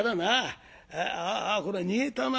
ああこりゃ煮えたな。